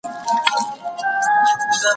راته ايښي يې گولۍ دي انسانانو